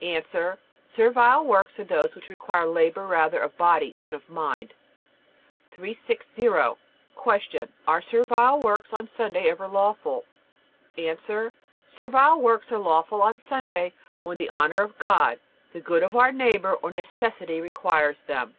A. Servile works are those which require labor rather of body than of mind. 360. Q. Are servile works on Sunday ever lawful? A. Servile works are lawful on Sunday when the honor of God, the good of our neighbor, or necessity requires them.